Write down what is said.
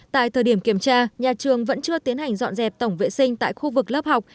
tại thời điểm kiểm tra nhà trường vẫn chưa tiến hành dọn dẹp tổng vệ sinh tại khu vực lớp học